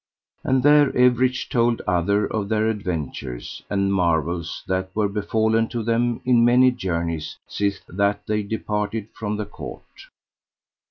And there everych told other of their adventures and marvels that were befallen to them in many journeys sith that they departed from the court.